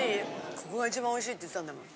ここが一番おいしいって言ってたんだもん。